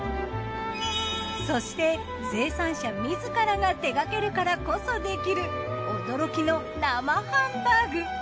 そして生産者自らが手がけるからこそできる驚きの生ハンバーグ。